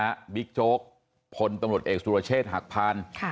ผ่านมานี่ฮะบิ๊กโจ๊กพลตำรวจเอกสุรเชษฐ์หักพันธุ์